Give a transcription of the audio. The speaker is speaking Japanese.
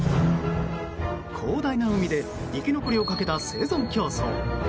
広大な海で生き残りをかけた生存競争。